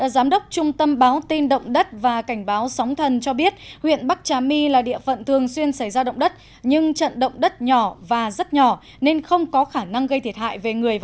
giám đốc trung tâm báo tin động đất và cảnh báo sóng thần cho biết huyện bắc trà my là địa phận thường xuyên xảy ra động đất nhưng trận động đất nhỏ và rất nhỏ nên không có khả năng gây thiệt hại về người